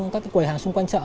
các quầy hàng xung quanh chợ